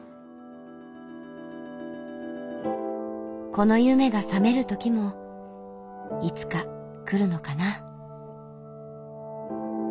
この夢が覚める時もいつか来るのかな。